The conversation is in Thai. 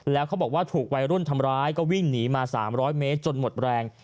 แล้วเขาบอกว่าถูกวัยรุ่นทำร้ายก็วิ่งหนีมา๓๐๐เมตรจนหมดแรง